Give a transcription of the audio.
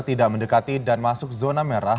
tidak mendekati dan masuk zona merah